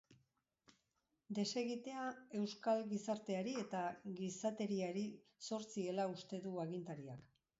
Desegitea euskal gizarteari eta gizateriari zor ziela uste du agintariak.